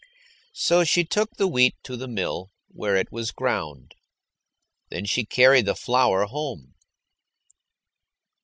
So she took the wheat to the mill, where it was ground. Then she carried the flour home.